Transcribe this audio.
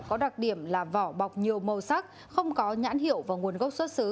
có đặc điểm là vỏ bọc nhiều màu sắc không có nhãn hiệu và nguồn gốc xuất xứ